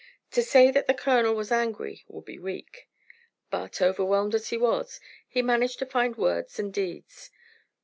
To say that the colonel was angry would be weak; but, overwhelmed as he was, he managed to find words and deeds.